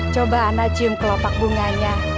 coba anda cium kelopak bunganya